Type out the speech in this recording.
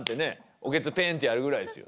おけつペンってやるぐらいですよ。